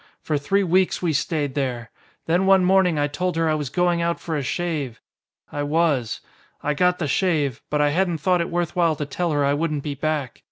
For three weeks we stayed there. Then one morning I told her I was going out for a shave. I was. I got the shave. But I hadn't thought it worth while to tell her I wouldn't be back.